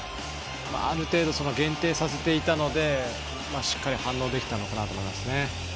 ある程度限定させていたのでしっかり反応できたのかなと思います。